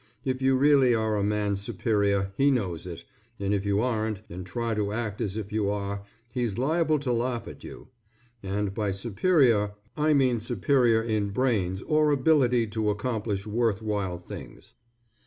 If you really are a man's superior he knows it, and if you aren't and try to act as if you are, he's liable to laugh at you; and by superior I mean superior in brains or ability to accomplish worth while things.